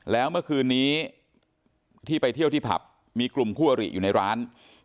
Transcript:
แล้วเมื่อคืนนี้ที่ไปเที่ยวที่ผับมีกลุ่มคู่อริอยู่ในร้าน